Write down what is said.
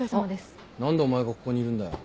何でお前がここにいるんだよ？